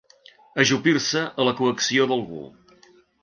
Ajupir-se a la coacció d'algú.